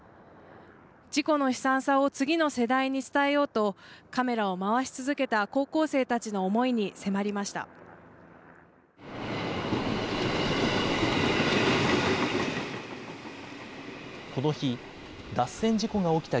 事故の悲惨さを次の世代に伝えようと、カメラを回し続けた高校生たちの思いに迫りました。